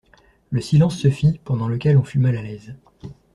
Le silence se fit, pendant lequel on fut mal à l'aise.